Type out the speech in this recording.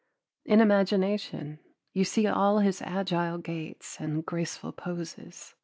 In imagination you see all his agile gaits and graceful poses.